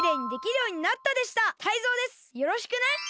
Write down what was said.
よろしくね！